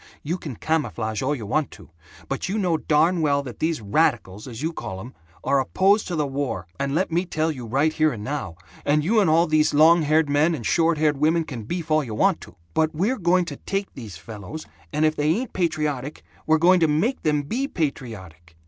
You can camouflage all you want to, but you know darn well that these radicals, as you call 'em, are opposed to the war, and let me tell you right here and now, and you and all these long haired men and short haired women can beef all you want to, but we're going to take these fellows, and if they ain't patriotic, we're going to make them be patriotic.